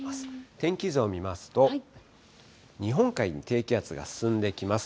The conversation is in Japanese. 天気図を見ますと、日本海に低気圧が進んできます。